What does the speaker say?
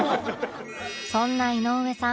そんな井上さん